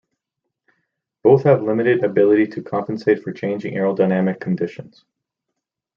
Both have limited ability to compensate for changing aerodynamic conditions.